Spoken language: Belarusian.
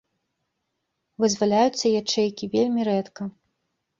Вызваляюцца ячэйкі вельмі рэдка.